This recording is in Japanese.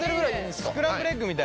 スクランブルエッグみたい。